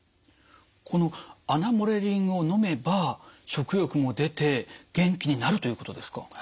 このアナモレリンをのめば食欲も出て元気になるということですか？